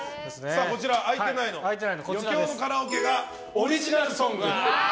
開いてないのは余興のカラオケがオリジナルソング。